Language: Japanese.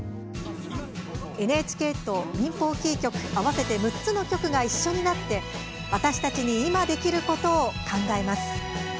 ＮＨＫと民放キー局合わせて６つの局が一緒になって私たちに今、できることを考えます。